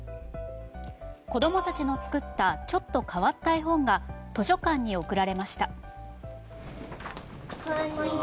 子供たちの作ったちょっと変わった絵本が図書館に贈られました。